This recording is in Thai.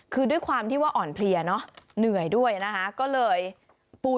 คือด้วยความที่ว่าอ่อนเพลียเหนื่อยด้วยต่อล่ะ